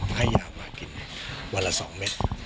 ให้ยามากินวันละ๒เม็ด